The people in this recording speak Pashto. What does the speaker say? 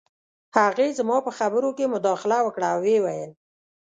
هغې زما په خبرو کې مداخله وکړه او وویې ویل